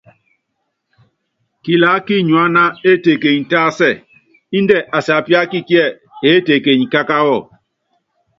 Kilaá kinyuána étekenyi tásɛ, índɛ asiapíaka kíɛ eétekenyi kákáwɔ.